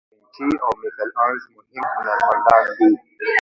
داوینچي او میکل آنژ مهم هنرمندان دي.